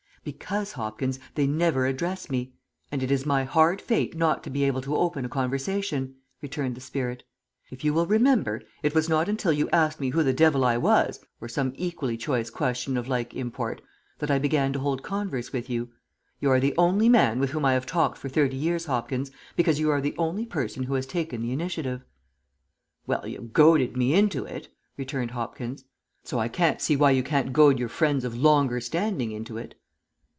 "Because, Hopkins, they never address me, and it is my hard fate not to be able to open a conversation," returned the spirit. "If you will remember, it was not until you asked me who the devil I was, or some equally choice question of like import, that I began to hold converse with you; you are the only man with whom I have talked for thirty years, Hopkins, because you are the only person who has taken the initiative." "Well, you goaded me into it," returned Hopkins. "So I can't see why you can't goad your friends of longer standing into it."